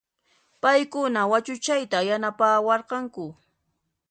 Payquna wachuchayta yanapawarqanku